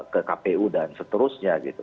ke kpu dan seterusnya gitu